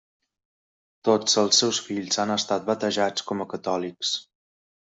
Tots els seus fills han estat batejats com a catòlics.